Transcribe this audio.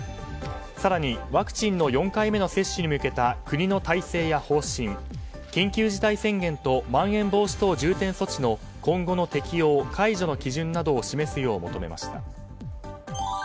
更に、ワクチンの４回目の接種に向けた国の体制や方針、緊急事態宣言とまん延防止等重点措置の今後の適用・解除の基準などを示すよう求めました。